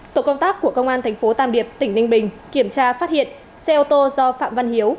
tổ công tác của công an thành phố tàm điệp tỉnh ninh bình kiểm tra phát hiện xe ô tô do phạm văn hiếu